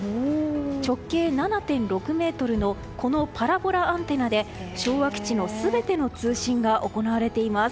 直径７．６ｍのこのパラボラアンテナで昭和基地の全ての通信が行われています。